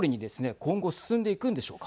今後進んでいくんでしょうか。